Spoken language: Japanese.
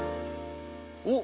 おっ！